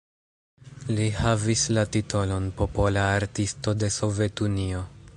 Li havis la titolon Popola Artisto de Sovetunio.